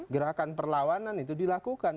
gerakan perlawanan itu dilakukan